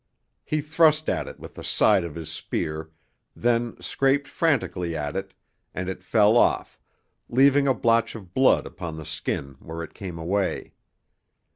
He thrust at it with the side of his spear, then scraped frantically at it, and it fell off, leaving a blotch of blood upon the skin where it came away.